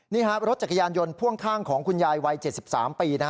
นี่ครับรถจักรยานยนต์พ่วงข้างของคุณยายวัย๗๓ปี